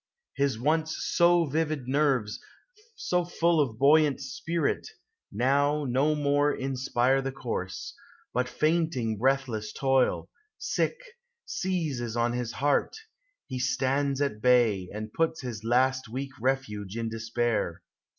His once so vivid nerves, So full of buoyant spirit, now no more Inspire the course ; but fainting breathless toil, Sick, seizes on his heart : he stands at bay ; And puts his last weak refuge in despair.